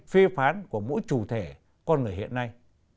phê phán của mỗi chủ thể con người hiện nay